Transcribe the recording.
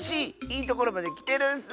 いいところまできてるッス！